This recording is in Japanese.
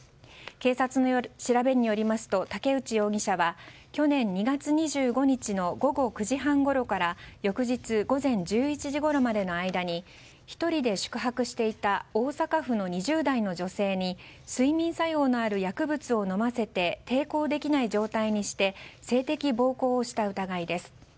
警察の調べによりますと武内容疑者は去年２月２５日の午後９時半ごろから翌日午前１１時ごろまでの間に１人で宿泊していた大阪府の２０代の女性に睡眠作用のある薬物を飲ませて抵抗できない状態にして性的暴行をした疑いです。